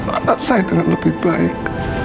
anak saya dengan lebih baik